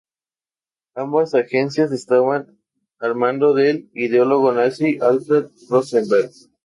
Ambas agencias estaban al mando del ideólogo nazi Alfred Rosenberg.